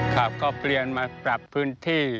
เขาก็เปลี่ยนมาออกปรับพื้นที่